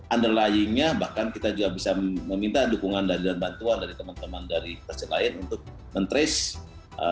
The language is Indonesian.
underlyingnya bahkan kita juga bisa meminta dukungan dan bantuan dari teman teman dari presiden lain untuk men trace